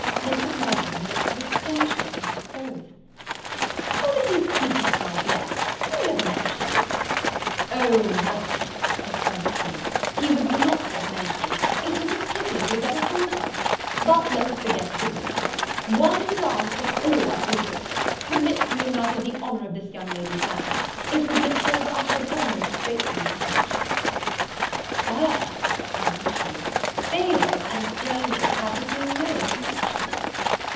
Mrs. Mirvan looked with astonishment at us both. "Who does he speak of, my dear? you never mentioned " "O, Madam!" exclaimed he, "he was not worth mentioning it is a pity he was ever though of; but let us forget his existence. One dance is all I solicit. Permit me, Madam, the honour of this young lady's hand; it will be a favour I shall ever most gratefully acknowledge." "Sir," answered she, "favours and strangers have with me no connection."